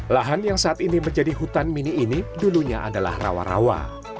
lahan yang saat ini menjadi hutan mini ini dulunya adalah rawa rawa